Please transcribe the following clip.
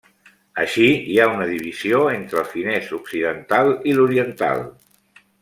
Així, hi ha una divisió entre el finès occidental i l'oriental.